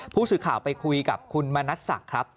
ผู้สื่อข่าวไปคุยกับคุณมณัฐศักดิ์ครับ